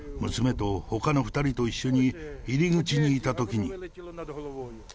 娘とほかの２人と一緒に入り口にいたときに。